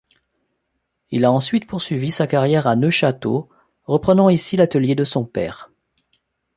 Il a ensuite poursuivi sa carrière à Neufchâteau, reprenant ici l'atelier de son père.